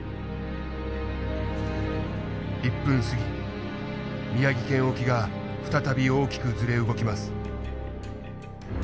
１分過ぎ宮城県沖が再び大きくずれ動きます。